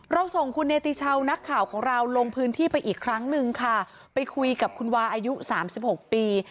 เราส่งคุณเนติชาวนักข่าวของเราลงพื้นที่ไปอีกครั้งหนึ่งค่ะไปคุยกับคุณวาอายุสามสิบหกปี